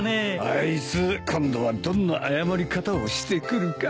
あいつ今度はどんな謝り方をしてくるか。